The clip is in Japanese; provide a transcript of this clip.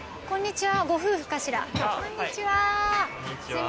こんにちは。